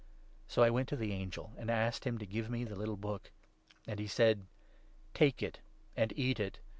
So I went to the angel and asked him to give me the little book. And he said ' Take it, and eat it.